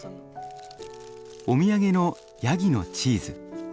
お土産のヤギのチーズ。